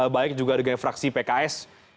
baik juga dengan fraksi pks